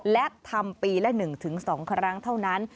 และทำปีละ๑๒ครั้งเท่านั้น